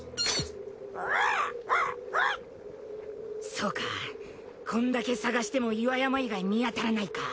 そうかこんだけ探しても岩山以外見当たらないか。